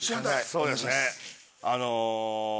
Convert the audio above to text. そうですねあの。